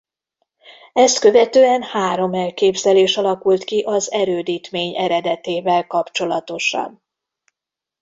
Ezt követően három elképzelés alakult ki az erődítmény eredetével kapcsolatosan.